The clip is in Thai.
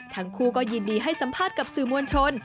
ทั้งคู่ก็ยินดีให้สัมภาษณ์กับสื่อมวลชน